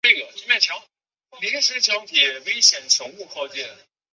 列布维莱尔人口变化图示